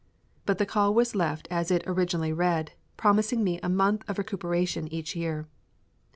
But the call was left as it originally read, promising me a month of recuperation each year.